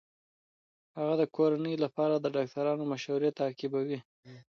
هغه د کورنۍ لپاره د ډاکټرانو مشورې تعقیبوي.